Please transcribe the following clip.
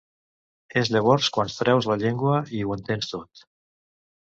És llavors quan treus la llengua i ho entens tot.